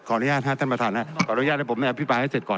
ขออนุญาตครับท่านประทานครับ